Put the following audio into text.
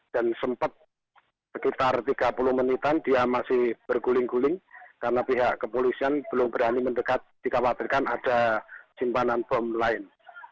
sempat sekitar tiga puluh menitan dia masih berguling guling karena pihak kepolisian belum berani mendekat dikhawatirkan ada simpanan bom lain